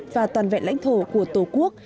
và toàn vẹn lãnh thổ của tổ quốc